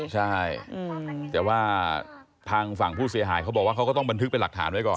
ใช่แต่ว่าทางฝั่งผู้เสียหายเขาบอกว่าเขาก็ต้องบันทึกเป็นหลักฐานไว้ก่อน